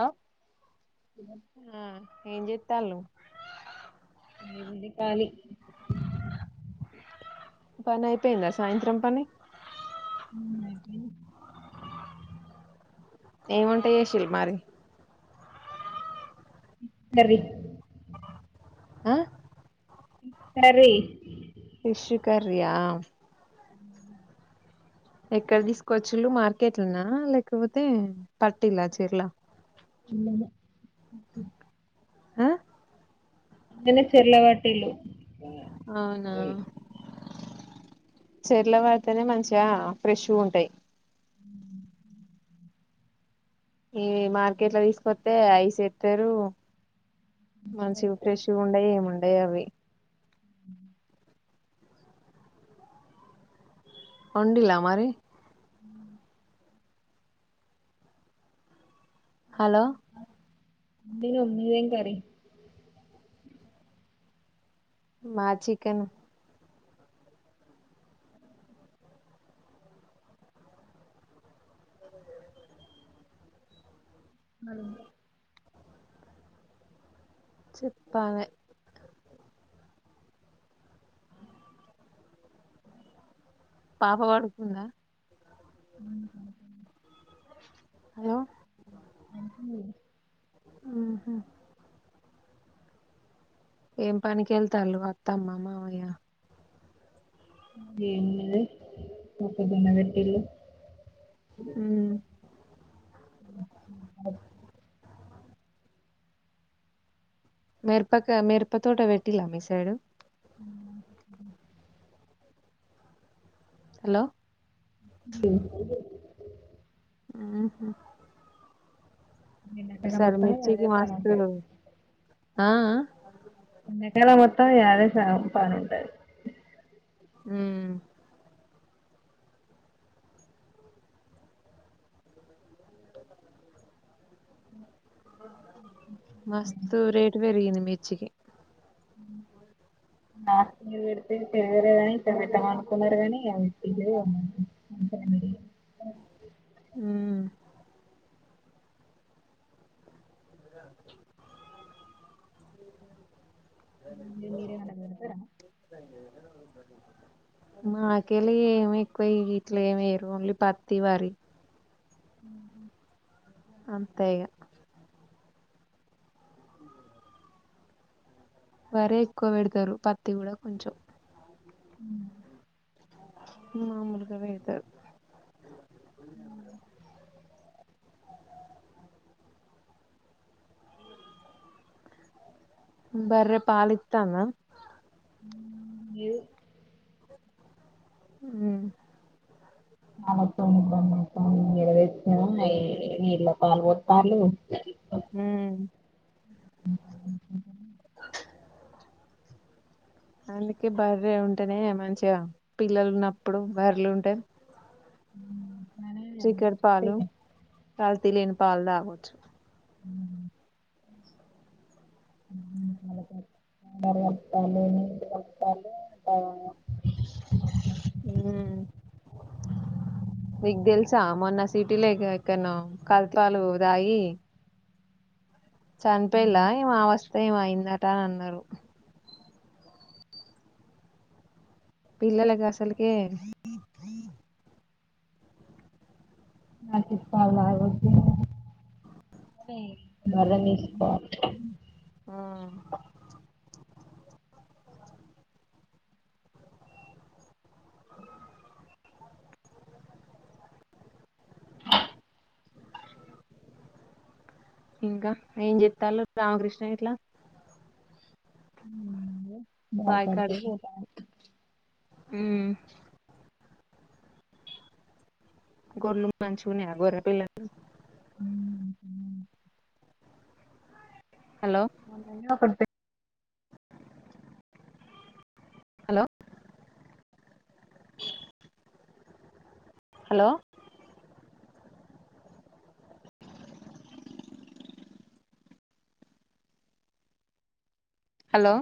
ఆ మ్మ్ ఏంజెత్తల్లు ఏముంది కాలి పనైపోయిందా సాయంత్రం పని ఉమ్ అయిపోయింది ఏం వంట చేసిళ్ళు మరి కర్రీ ఆ కర్రీ ఫిష్ కర్రీ ఆ ఎక్కడ తీసుకొచ్చిళ్ళు మార్కెట్లనా లేకపోతే పట్టిల్లా చెర్ల ఇళ్లనే ఆ కన్నె చెర్లపట్టిల్లు అవునా చెర్ల వడితేనే మంచిగా ఫ్రెష్గుంటయ్ ఏ మార్కెట్ ల తీసుకొత్తే ఐసేత్తరు మంచిగ ఫ్రెష్గా గుండయ్ ఏముండయ్ అవ్వి ఒండిల్లా మరి హలో దిను మీదేం కరీ మా చికెన్ [unintelligible] చెప్పాలె పాప పడుకుందా హలో పపు ఉహు ఏం పనికెళ్తాన్లు అత్తమ్మ మావయ్య ఎం లె మ పెద్దన్న దగ్గర్లో ఉహ్ [inaudible] మిర్పాక మిరప తోట వెట్టిలా మీ సైడు హలో [unintelligible] ఉహు ఎండాకాలం ఈసారి మొత్తం ఇగ అదే మిర్చికి పని ఉంటది మస్తరు ఆ అ నేటెల మొత్తం ఇ అదె సగం పనుంటాది హ్మ్ మస్తు రేట్ పెరిగింది మిర్చికి నా నిది వేడ్తే పెర్గలేదని [unintelligible] మిడి ఉ మీరే ఎననా పెడతరా [inaudible] మాకేలె ఏమి ఎక్కువ ఇట్ల ఏమెరు ఓన్లీ పత్తి వరి ఉ అంతేగ వరే ఎక్కువ వేడ్తరు పత్తి కూడా కొంచెం ఉ మాములుగా వేటర్ బర్రె పాలిత్తానా ఏదు ఉ [unintelligible] నీళ్ల పాలు పోతాళ్ళు ఉ అందుకే బర్రె ఉంటేనే మంచిగా పిల్లలు ఉన్నప్పుడు బర్ల్ ఉంటే చిక్కరి పాలు కల్తీ లేని పాలు తాగొచ్ [unintelligible] ఊమ్ నిక్ తెలుసా మొన్న సిటీలో ఇక్క ఎక్కనో కల్తీ పాలు తాగి చనిపేలా ఏం అవష్ పోయి ఎమో అయిందంట అని అన్నారు పిల్లలకి అసల్కె నటి పాల్ తాగొద్దే మ్మ్. బర్రె తీసుకోవాలె ఆ ఇంకా ఏం చెతాలు రామకృష్ణ ఇట్లా ఉ బాగుపడితే పొతామని ఉమ్ గొర్లు మంచిగ ఉన్నయ గొర్రె పిల్లలు హలో మొన్ననే ఒకటి హలొ హలొ హలొ